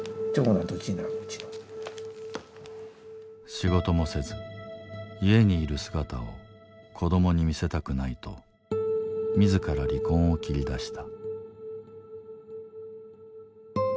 仕事もせず家にいる姿を子供に見せたくないと自ら離婚を切り出した。